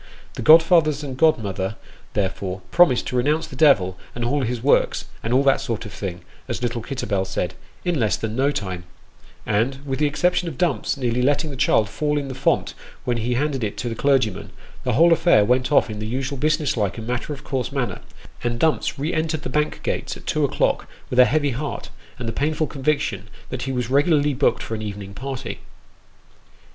The godfathers and godmother, therefore, promised to renounce the devil and all his works " and all that sort of thing " as little Kitterbell said " in less than no time ;" and with the exception of Dumps nearly letting the child fall into the font when he handed it to the clergyman, the whole affair went off in the usual business like and matter of course manner, and Dumps re entered the Bank gates at two o'clock with a heavy heart, and the painful conviction that he was regularly booked for an evening party.